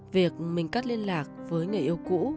việc mình cắt liên lạc với người yêu cũ